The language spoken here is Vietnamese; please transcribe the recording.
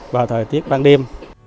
vào thời tiết ban đêm